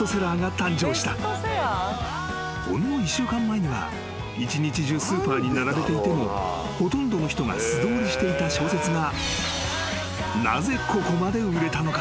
［ほんの１週間前には一日中スーパーに並べていてもほとんどの人が素通りしていた小説が］